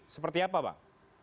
seperti apa bang